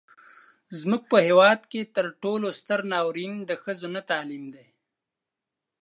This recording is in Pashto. زموږ په هیواد کې تر ټولو ستر ناورين د ښځو نه تعليم دی.